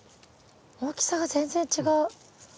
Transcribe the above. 大きさが全然違う。